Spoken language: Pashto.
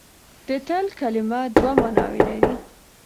د تل کلمه دوه ماناوې لري.